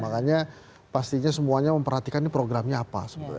makanya pastinya semuanya memperhatikan ini programnya apa